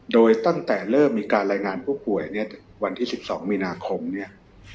โดยตั้งแต่เริ่มมีการรายงานผู้ป่วยเนี่ยวันที่๑๒มีนาคมเนี่ย